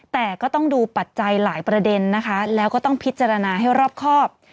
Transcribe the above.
แต่ก็ต้องดูปัจจัยหลายประเด็นนะคะแล้วก็ต้องพิจารณาให้รอบครอบ